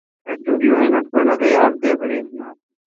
Estudió en la Escuela de Arte de Birmingham.